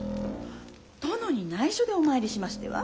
殿にないしょでお参りしましては？